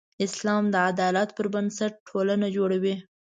اسلام د عدالت پر بنسټ ټولنه جوړوي.